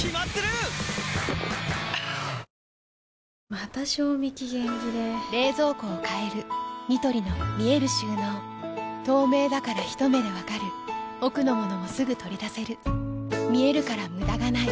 また賞味期限切れ冷蔵庫を変えるニトリの見える収納透明だからひと目で分かる奥の物もすぐ取り出せる見えるから無駄がないよし。